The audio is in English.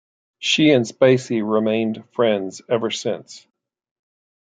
She and Spacey remained friends ever since.